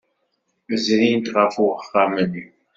Zrint ɣef uxxam-nni.